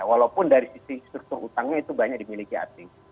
walaupun dari sisi struktur utangnya itu banyak dimiliki asing